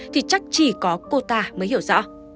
thì chắc chỉ có cô ta mới hiểu rõ